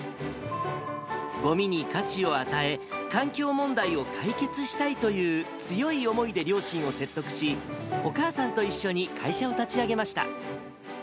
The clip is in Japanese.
ごみに価値を与え、環境問題を解決したいという強い思いで両親を説得し、お母さんと一緒に会社を立ち上げました。